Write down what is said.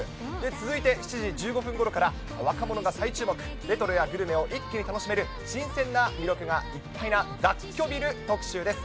続いて７時１５分ごろから、若者が再注目、レトロやグルメを一気に楽しめる新鮮な魅力がいっぱいな雑居ビル特集です。